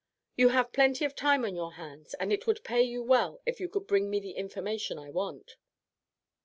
You have plenty of time upon your hands, and it would pay you well if you could bring me the information I want."